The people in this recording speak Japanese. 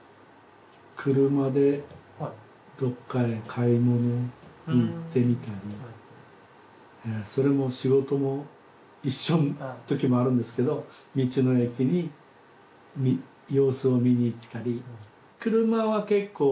車でどっかへ買い物に行ってみたりそれも仕事も一緒のときもあるんですけど道の駅に様子を見に行ったり。